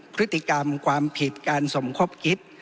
พฤติกรรมความผิดการสมคบคิด